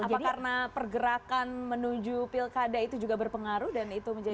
apa karena pergerakan menuju pilkada itu juga berpengaruh dan itu menjadi